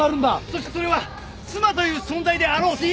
そしてそれは妻という存在であろうと。